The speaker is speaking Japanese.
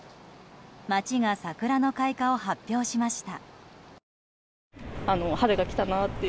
街が桜の開花を発表しました。